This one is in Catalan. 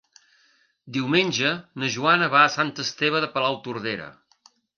Diumenge na Joana va a Sant Esteve de Palautordera.